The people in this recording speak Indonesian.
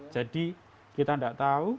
jadi kita tidak tahu